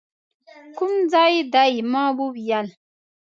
کوم ځای دی؟ ما وویل.